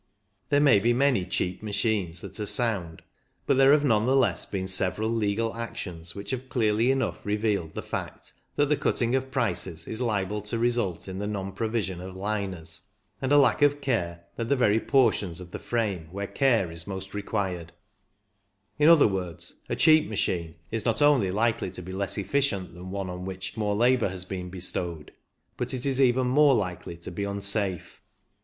There may be many cheap machines that are sound, but there have none the less been several legal actions which have clearly enough revealed the fact that the cutting of prices is liable to result in the non provision of liners, and a lack of care at the very portions of the frame where care is most required; in other words, a cheap machine is not only likely to be less efficient than one on which PURELY MECHANICAL 225 more labour has been bestowed, but it is even more likely to be unsafe.